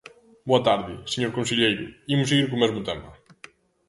Boa tarde, señor conselleiro, imos seguir co mesmo tema.